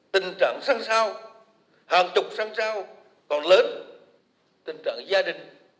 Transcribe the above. tình trạng gia đình đã có vấn đề